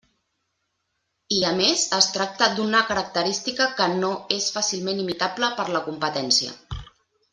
I, a més, es tracta d'una característica que no és fàcilment imitable per la competència.